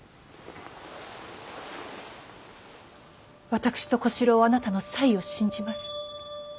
私と小四郎はあなたの才を信じます。